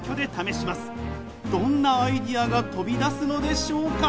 どんなアイデアが飛び出すのでしょうか！？